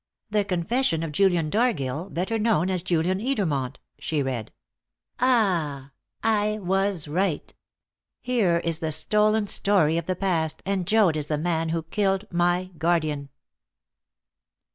"The Confession of Julian Dargill, better known as Julian Edermont," she read. "Ah! I was right. Here is the stolen story of the past, and Joad is the man who killed my guardian."